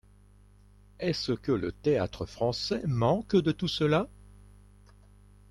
Est-ce que le Théâtre-Français manque de tout cela ?